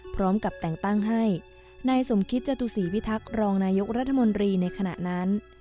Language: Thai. พร้อมกับแต่งตั้งให้นายสมคิตจตุศีพิทักษ์รองนายกรัฐมนตรีในขณะนั้น